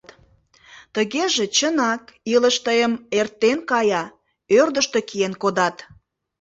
Тыгеже, чынак, илыш тыйым эртен кая, ӧрдыжтӧ киен кодат.